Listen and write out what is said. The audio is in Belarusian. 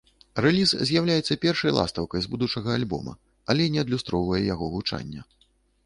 Рэліз з'яўляецца першай ластаўкай з будучага альбома, але не адлюстроўвае яго гучання.